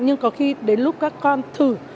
nhưng có khi đến lúc các con thử